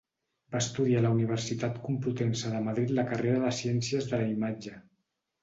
Va estudiar a la Universitat Complutense de Madrid la carrera de Ciències de la Imatge.